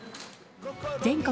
全国